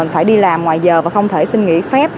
phải đi làm ngoài giờ và không thể xin nghỉ phép